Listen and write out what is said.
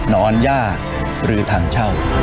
นอนยากหรือทางเช่า